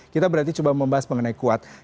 kita berarti coba membahas mengenai kuat